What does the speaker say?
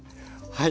はい。